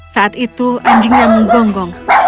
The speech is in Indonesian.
saat itu anjingnya menggonggong